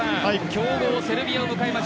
今日はセルビアを迎えます。